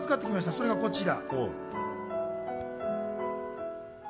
それがこちら。